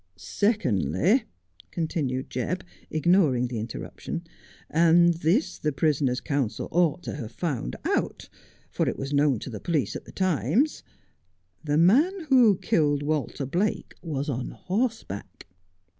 ' Secondly,' continued Jebb, ignoring the interruption, —' and this the prisoner's counsel ought to have found out, for it was known to the police at the time — the man who killed Walter Blake was on horseback.'